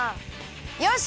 よし！